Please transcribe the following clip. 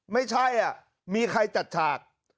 ไม่ใช่มีใครจัดฉาก